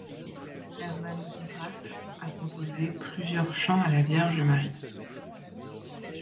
Hermann Contract a composé plusieurs chants à la Vierge Marie.